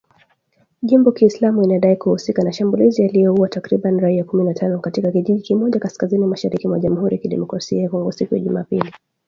Jimbo Kiislamu inadai kuhusika na shambulizi, yalioua takribani raia kumi na tano katika kijiji kimoja kaskazini-mashariki mwa Jamhuri ya Kidemokrasi ya Kongo siku ya Jumapili.